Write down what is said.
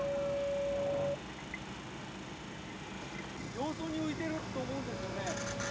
表層に浮いてると思うんですけどね。